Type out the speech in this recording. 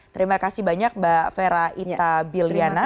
terima kasih banyak mbak fera ita biliana